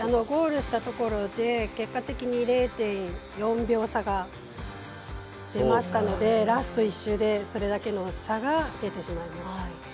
ゴールしたところで結果的に０．４秒差が出ましたのでラスト１周でそれだけの差が出てしまいました。